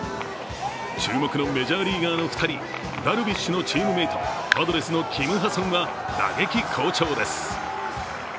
注目のメジャーリーガーの２人ダルビッシュのチームメイト、パドレスのキム・ハソンは打撃好調です。